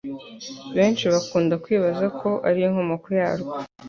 benshi bakunda kwibazako ariyo nkomoko yarwo,